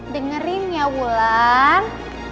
dengerin ya wulan